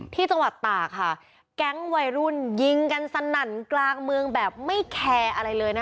ที่จังหวัดตากค่ะแก๊งวัยรุ่นยิงกันสนั่นกลางเมืองแบบไม่แคร์อะไรเลยนะคะ